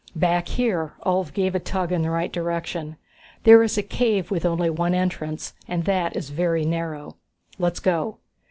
"Back here" Ulv gave a tug in the right direction "there is a cave with only one entrance, and that is very narrow." "Let's go!"